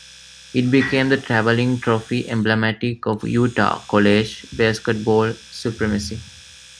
It became the traveling trophy emblematic of Utah college basketball supremacy.